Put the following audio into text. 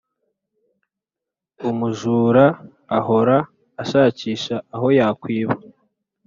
umujura ahora ashakisha aho yakwiba